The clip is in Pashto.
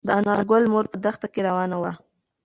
د انارګل مور په دښته کې روانه وه.